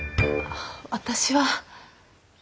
私は。